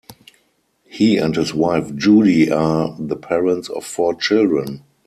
He and his wife Judy are the parents of four children.